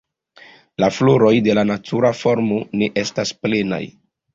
La floroj de la natura formo ne estas plenaj.